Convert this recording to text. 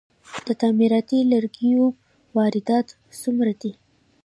د تعمیراتي لرګیو واردات څومره دي؟